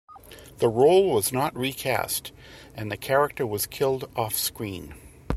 The role was not recast, and the character was killed off-screen.